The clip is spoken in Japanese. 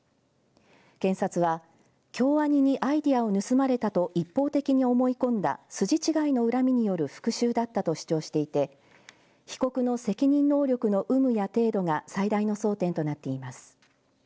検察は京アニにアイデアを盗まれたと一方的に思い込んだ筋違いの恨みによる復しゅうだったと主張していて被告の責任能力の有無や程度が最大の争点となっています。